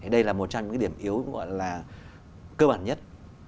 đây là một trong những điểm yếu cơ bản nhất